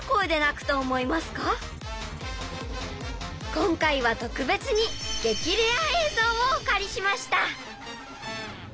今回は特別に激レア映像をお借りしました。